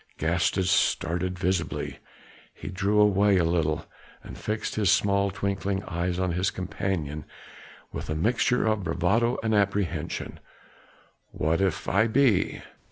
Gestas started visibly, he drew away a little and fixed his small twinkling eyes on his companion with a mixture of bravado and apprehension. "What if I be?"